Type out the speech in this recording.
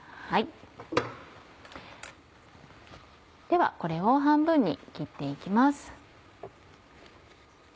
ではこれを半分に切って行きます。